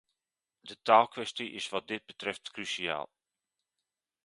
De taalkwestie is wat dit betreft cruciaal.